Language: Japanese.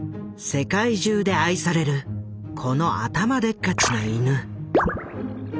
世界中で愛されるこの頭でっかちな犬。